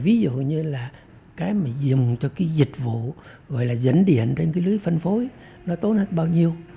ví dụ như là cái mà dùng cho cái dịch vụ gọi là dẫn điện trên cái lưới phân phối nó tốt hơn bao nhiêu